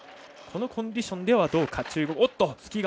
このコンディションではどうか。